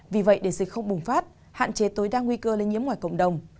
vì vậy để dịch không bùng phát hạn chế tối đa nguy cơ lây nhiễm ngoài cộng đồng